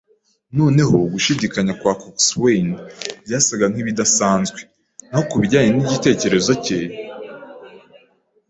Noneho, gushidikanya kwa coxswain byasaga nkibidasanzwe, naho kubijyanye nigitekerezo cye